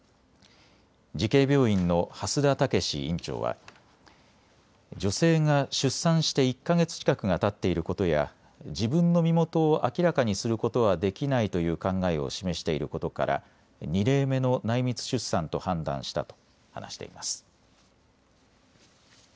慈恵病院の蓮田健院長は女性が出産して１か月近くがたっていることや自分の身元を明らかにすることはできないという考えを示していることから２例目の内密出産と判断したと話しています。